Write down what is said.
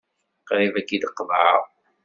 Qrib ad k-id-qeḍɛeɣ.